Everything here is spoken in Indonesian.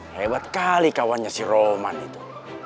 hebat kali kawannya si roman itu